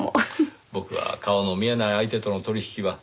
僕は顔の見えない相手との取引は苦手なので。